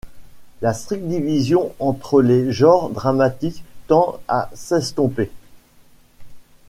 La stricte division entre les genres dramatiques tend à s'estomper.